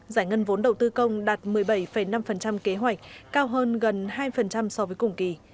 giải ngân vốn đầu tư công đạt một mươi bảy năm kế hoạch cao hơn gần hai so với cùng kỳ